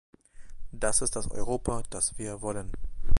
Das ist das Europa, das wir wollen.